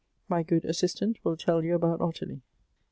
" My good assistant will tell you about Ottilie."